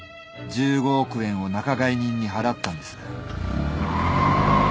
１５億円を仲買人に払ったんです。